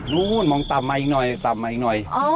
ลูนมองตามมาอีกหน่อยตามมาอีกหน่อย